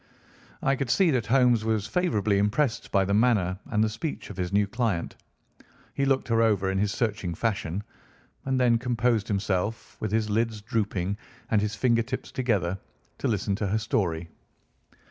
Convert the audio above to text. I could see that Holmes was favourably impressed by the manner and speech of his new client. He looked her over in his searching fashion, and then composed himself, with his lids drooping and his finger tips together, to listen to her story.